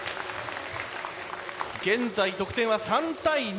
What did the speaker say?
現在得点は３対２。